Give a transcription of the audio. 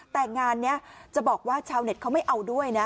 แต่งานนี้จะบอกว่าชาวเน็ตเขาไม่เอาด้วยนะ